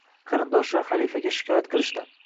Qarindoshlar xalifaga shikoyat qilishdi